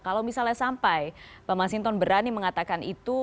kalau misalnya sampai pak masinton berani mengatakan itu